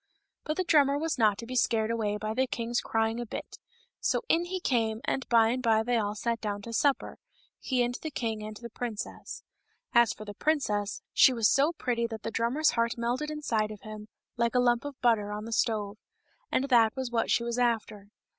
But the drummer was not to be scared away by the king's crying a bit, so in he came, and by and by they all sat down to supper — ^he and the king and the princess. As for the princess, she was so pretty that the drummer's heart melted inside of him, like a lump of butter on the stove — and that was what she was after.